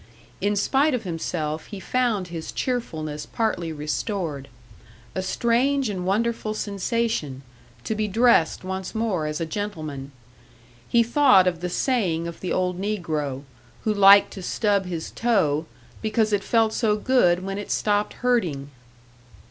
In spite of himself he found his cheerfulness partly restored. A strange and wonderful sensation to be dressed once more as a gentleman. He thought of the saying of the old negro, who liked to stub his toe, because it felt so good when it stopped hurting!